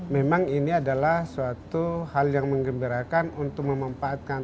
memang ini adalah suatu hal yang mengembirakan untuk memanfaatkan